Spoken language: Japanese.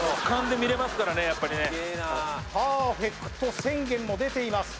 俯瞰で見れますからねやっぱりねパーフェクト宣言も出ています